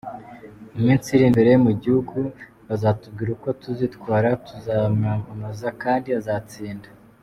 Mu minsi iri imbere mu gihugu bazatubwira uko tuzitwara, tuzamwamamaza kandi azatsinda.